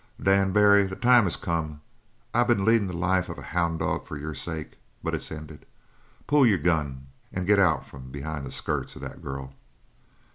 Dan Barry, the time is come. I been leadin' the life of a houn' dog for your sake. But it's ended. Pull your gun and get out from behind the skirts of that girl!"